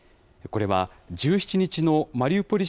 これは１７日のマリウポリ